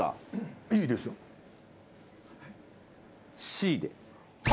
Ｃで。